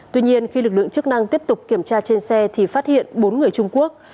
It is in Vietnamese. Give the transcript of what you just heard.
tuy nhiên khi lực lượng chức năng tiếp tục kiểm tra trên xe thì phát hiện bốn người trung quốc